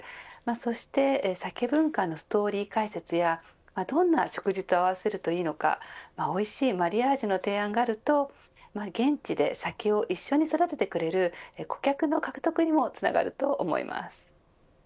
そしてサケ文化のストーリー解説やどんな食事と合わせるといいのかおいしいマリアージュの提案があると現地で酒を一緒に育ててくれる顧客の獲得にもつながると思います。